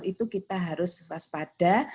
itu kita harus waspada